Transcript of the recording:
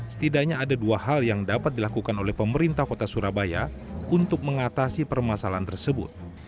setidaknya ada dua hal yang dapat dilakukan oleh pemerintah kota surabaya untuk mengatasi permasalahan tersebut